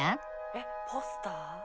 えっポスター？